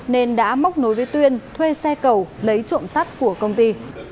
nên đã móc nối với tuyên thuê xe cầu lấy trộm sắt của công ty